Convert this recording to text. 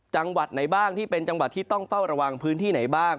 จังหวัดไหนบ้างที่เป็นจังหวัดที่ต้องเฝ้าระวังพื้นที่ไหนบ้าง